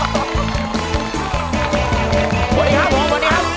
สวัสดีครับ